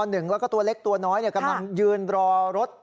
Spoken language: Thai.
แล้วก็ตัวเล็กตัวน้อยกำลังยืนรอรถ